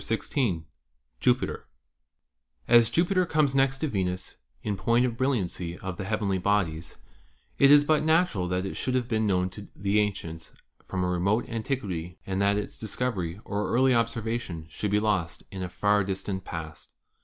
CHAPTER XVI JUPITER As Jupiter comes next to Venus in point of brilliancy of the heavenly bodies, it is but natural that it should have been known to the ancients from a remote antiquity and that its discovery or early observation should be lost in a far distant past.